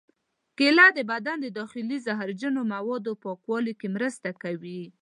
کېله د بدن د داخلي زهرجنو موادو پاکولو کې مرسته کوي.